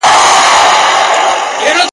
ته به کچکول را ډکوې یو بل به نه پېژنو ..